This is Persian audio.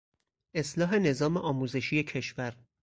اصلاح نظام آموزشی کشور